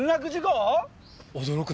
驚く